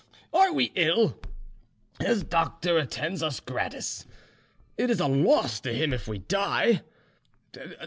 Are we ill? His doctor attends us gratis; it is a loss to him if we die.